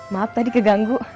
maaf tadi keganggu